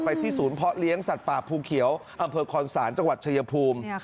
ที่ศูนย์เพาะเลี้ยงสัตว์ป่าภูเขียวอำเภอคอนศาลจังหวัดชายภูมิ